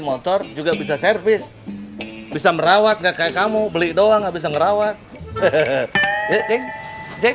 motor juga bisa servis bisa merawat nggak kayak kamu beli doang bisa ngerawat hehehe